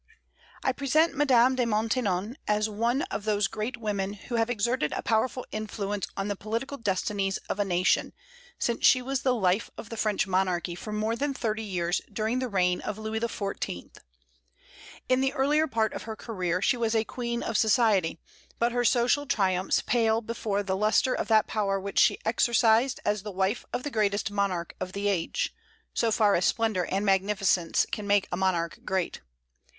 I present Madame de Maintenon as one of those great women who have exerted a powerful influence on the political destinies of a nation, since she was the life of the French monarchy for more than thirty years during the reign of Louis XIV. In the earlier part of her career she was a queen of society; but her social triumphs pale before the lustre of that power which she exercised as the wife of the greatest monarch of the age, so far as splendor and magnificence can make a monarch great.